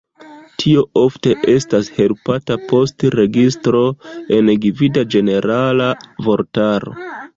Tio ofte estas helpata post registro en gvida ĝenerala vortaro.